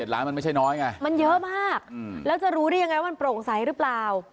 ล้านมันไม่ใช่น้อยไงมันเยอะมากแล้วจะรู้ได้ยังไงว่ามันโปร่งใสหรือเปล่า